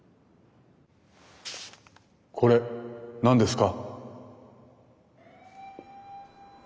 これ何ですか？